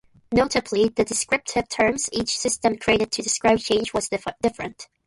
Notably, the descriptive terms each system created to describe change was different.